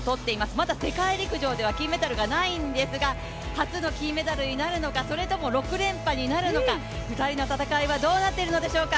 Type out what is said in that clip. まだ世界陸上では金メダルがないのですが、初の金メダルになるのかそれとも６連覇になるのか、２人の戦いはどうなっているのでしょうか。